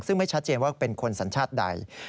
ซึ่งไม่ชัดเจนว่าเป็นคนสัญชาติใด